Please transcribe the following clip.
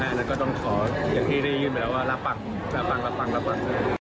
ก็ต้องขออย่างที่ได้ยืนไปแล้วว่ารับปังรับปังรับปัง